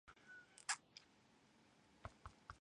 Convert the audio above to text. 新宿は豪雨